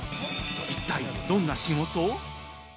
一体どんな仕事？